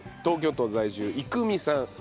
東京都在住育実さん。